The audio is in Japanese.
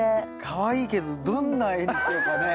かわいいけどどんな絵にしようかね。